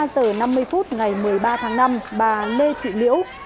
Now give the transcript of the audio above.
hai mươi ba giờ năm mươi phút ngày một mươi ba tháng năm bà lê thị liễu